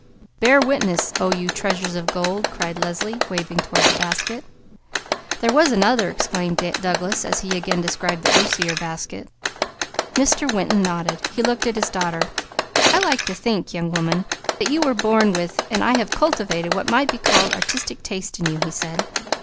"Bear witness, O you treasures of gold!" cried Leslie, waving toward the basket. "There was another," explained Douglas as he again described the osier basket. Mr. Winton nodded. He looked at his daughter. "I like to think, young woman, that you were born with and I have cultivated what might be called artistic taste in you," he said.